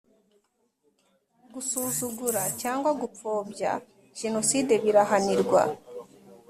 Gusuzugura cyangwa gupfobya jenoside birahanirwa